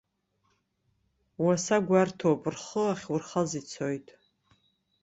Уаса гәарҭоуп, рхы ахьурхаз ицоит.